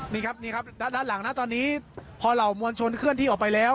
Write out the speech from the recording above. นี่ครับนี่ครับด้านหลังนะตอนนี้พอเหล่ามวลชนเคลื่อนที่ออกไปแล้ว